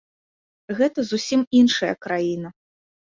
Гэта зусім іншая краіна.